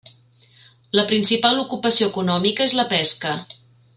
La principal ocupació econòmica és la pesca.